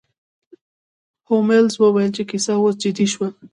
هولمز وویل چې کیسه اوس جدي شوه.